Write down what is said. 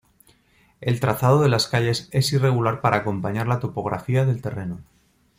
El trazado de las calles es irregular para acompañar la topografía del terreno.